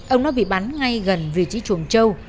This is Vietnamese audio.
ông đã bị bắn ngay gần vị trí chuồng châu